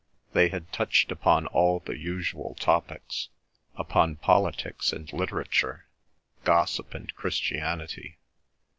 They had touched upon all the usual topics—upon politics and literature, gossip and Christianity.